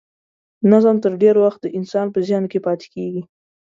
نظم تر ډېر وخت د انسان په ذهن کې پاتې کیږي.